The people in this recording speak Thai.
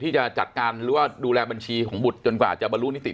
ที่จะจัดการหรือว่าดูแลบัญชีของบุตรจนกว่าจะบรรลุนิติ